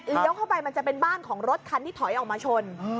เข้าไปมันจะเป็นบ้านของรถคันที่ถอยออกมาชน